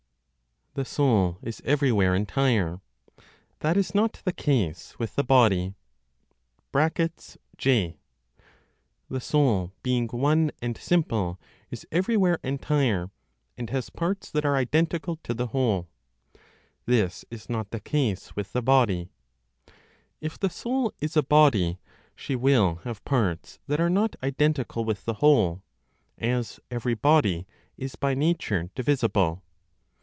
THE SOUL IS EVERYWHERE ENTIRE; THAT IS NOT THE CASE WITH THE BODY. (j.) (The soul, being one and simple, is everywhere entire, and has parts that are identical to the whole; this is not the case with the body.) If the soul is a body, she will have parts that are not identical with the whole, as every body is by nature divisible.